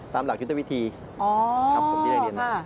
ตามหลักยุทธวิธีครับผมที่ได้เรียนมา